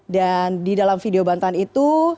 dan di dalam video bantahan itu